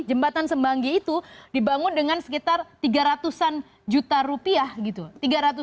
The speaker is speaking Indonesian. jembatan semanggi itu dibangun dengan sekitar tiga ratus an juta rupiah gitu